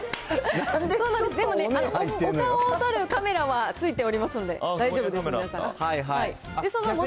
でも、お顔を撮るカメラはついておりますので、大丈夫です、皆さん。